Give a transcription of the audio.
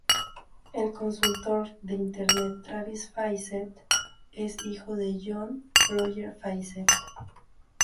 El consultor de Internet Travis Fawcett, es hijo de John Roger Fawcett.